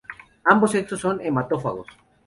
Ambos sexos son hematófagos.